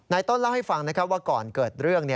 ต้นเล่าให้ฟังว่าก่อนเกิดเรื่อง